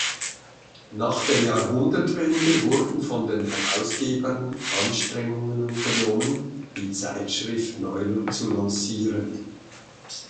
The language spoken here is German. Nach der Jahrhundertwende wurden von den Herausgebern Anstrengungen unternommen, die Zeitschrift neu zu lancieren.